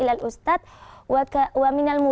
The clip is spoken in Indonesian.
dan antara guru guru